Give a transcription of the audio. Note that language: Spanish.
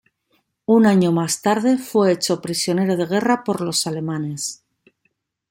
Un año más tarde, fue hecho prisionero de guerra por los alemanes.